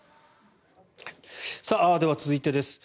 では、続いてです。